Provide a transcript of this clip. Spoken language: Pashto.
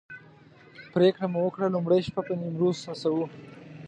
پرېکړه مو وکړه لومړۍ شپه به نیمروز رسوو.